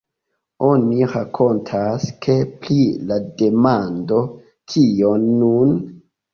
Oni rakontas, ke pri la demando "Kion nun?